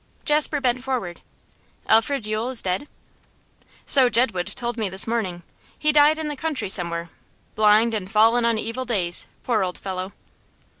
Jasper bent forward. 'Alfred Yule is dead?' 'So Jedwood told me this morning. He died in the country somewhere, blind and fallen on evil days, poor old fellow.